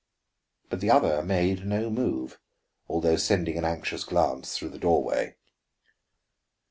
But the other made no move, although sending an anxious glance through the doorway.